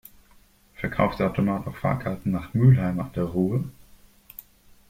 Verkauft der Automat auch Fahrkarten nach Mülheim an der Ruhr?